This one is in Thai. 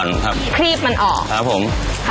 ละกลาง